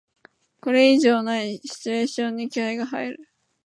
これ以上ないシチュエーションに気合いが入る